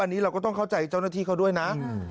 อันนี้เราก็ต้องเข้าใจเจ้าหน้าที่เขาด้วยนะ